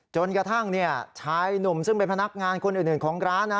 จนกระทั่งชายหนุ่มซึ่งเป็นพนักงานคนอื่นของร้านนะ